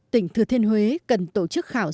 tỉnh thừa thiên huế cần tổ chức khảo sát